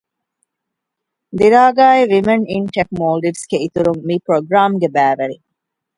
.ދިރާގާއި ވިމެން އިން ޓެކް މޯލްޑިވެސް ގެ އިތުރުން މި ޕްރޮގުރާމްގެ ބައިވެރިން